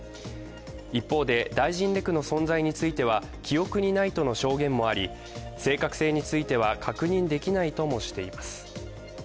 一方で、大臣レクの存在については記憶にないとの証言もあり正確性については確認できないともしています。